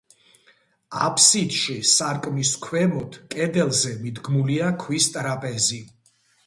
აფსიდში, სარკმლის ქვემოთ, კედელზე, მიდგმულია ქვის ტრაპეზი.